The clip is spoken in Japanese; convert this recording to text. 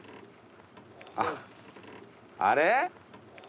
あっあれ？